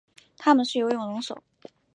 它们是游泳能手。